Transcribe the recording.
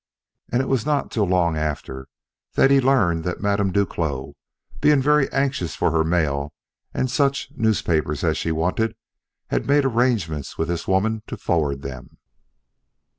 And it was not till long after that he learned that Madame Duclos, being very anxious for her mail and such newspapers as she wanted, had made arrangements with this woman to forward them.